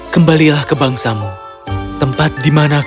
kembalilah ke bangsamu tempat di mana kau bahagia